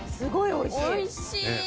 おいしい。